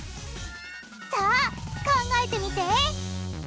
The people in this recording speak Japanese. さあ考えてみて！